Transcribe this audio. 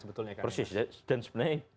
sebetulnya dan sebenarnya